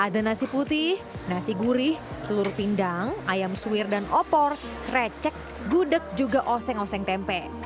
ada nasi putih nasi gurih telur pindang ayam suwir dan opor recek gudeg juga oseng oseng tempe